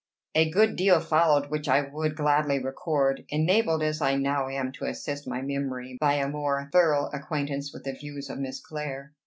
A good deal followed which I would gladly record, enabled as I now am to assist my memory by a more thorough acquaintance with the views of Miss Clare.